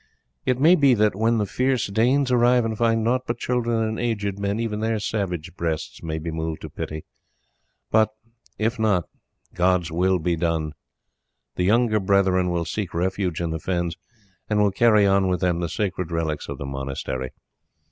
It may be that when the fierce Danes arrive and find nought but children and aged men even their savage breasts may be moved to pity; but if not, God's will be done. The younger brethren will seek refuge in the fens, and will carry with them the sacred relics of the monastery.